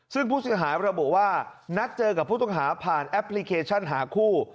ซึ่งผู้เสียหายระบุว่านัดเจอกับผู้ต้องหาผ่านแอปพลิเคชันหาคู่